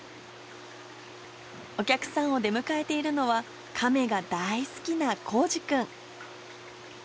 お客さんを出迎えているのは、カメが大好きな孝治君。